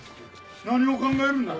何を考えるんだ？